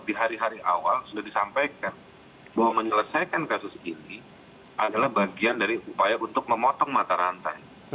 di hari hari awal sudah disampaikan bahwa menyelesaikan kasus ini adalah bagian dari upaya untuk memotong mata rantai